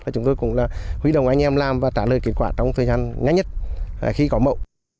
chúng tôi cũng hủy đồng anh em làm và trả lời kết quả trong thời gian ngay nhất khi có mẫu